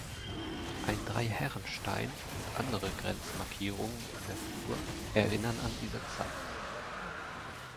Ein Dreiherrenstein und andere Grenzmarkierungen in der Flur erinnern an diese Zeit.